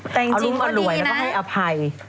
แต่จริงก็ดีนะเอารู้มารวยแล้วก็ให้อภัย